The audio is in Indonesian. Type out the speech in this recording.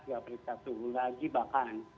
tidak berisikat suhu lagi bahkan